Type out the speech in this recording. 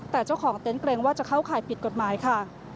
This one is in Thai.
แต่เจ้าของเต็นต์เกรงว่าจะเข้าข่ายผิดกฎหมายค่ะ